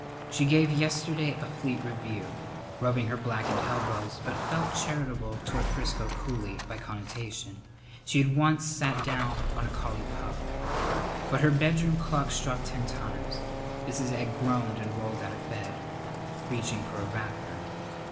She gave yesterday a fleet review, rubbing her blackened elbows, but felt charitable toward Frisco Cooley by connotation; she had once sat down on a collie pup. But her bedroom clock struck ten times. Mrs. Egg groaned and rolled out of bed, reaching for a wrapper.